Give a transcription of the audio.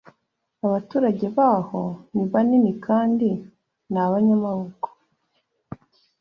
abaturage baho ni banini kandi ni abanyamaboko.